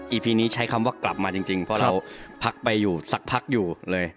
พีนี้ใช้คำว่ากลับมาจริงเพราะเราพักไปอยู่สักพักอยู่เลย